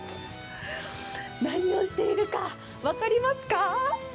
何をしているか、分かりますか？